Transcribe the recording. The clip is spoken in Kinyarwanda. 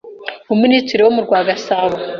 Umuminisitiri wo mu rwa Gasabo